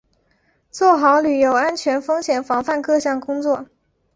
做好旅游安全风险防范各项工作